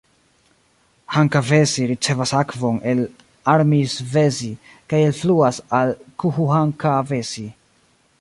Hankavesi ricevas akvon el Armisvesi kaj elfluas al Kuuhankavesi.